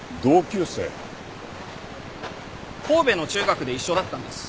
神戸の中学で一緒だったんです。